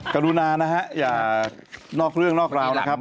กรุณานะฮะอย่านอกเรื่องนอกราวนะครับ